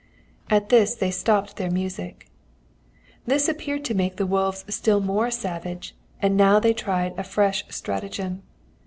"At this they stopped their music. "This appeared to make the wolves still more savage, and now they tried a fresh stratagem.